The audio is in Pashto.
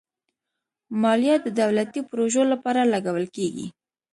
مالیه د دولتي پروژو لپاره لګول کېږي.